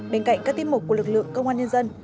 bên cạnh các tiêm mục của lực lượng công an nhân dân